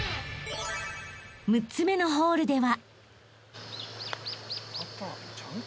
［６つ目のホールでは］